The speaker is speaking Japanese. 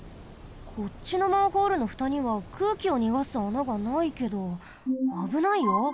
こっちのマンホールのふたにはくうきをにがす穴がないけどあぶないよ。